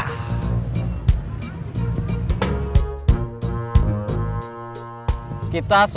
nah memang bisa bahas